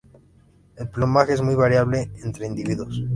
El plumaje es muy variable entre individuos.